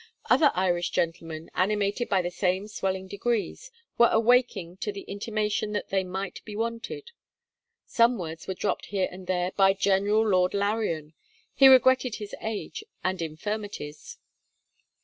Other Irish gentlemen, animated by the same swelling degrees, were awaking to the intimation that they might be wanted. Some words were dropped here and there by General Lord Larrian: he regretted his age and infirmities.